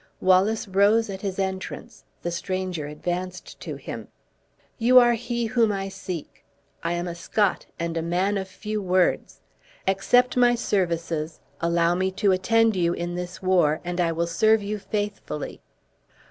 Wallace rose at his entrance; the stranger advanced to him. "You are he whom I seek. I am a Scot, and a man of few words. Accept my services, allow me to attend you in this war, and I will serve you faithfully."